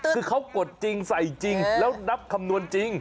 คือเขากดจริงใส่จริงแล้วนับคำนวณจริง